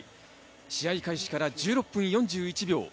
試合開始から１６分４１秒。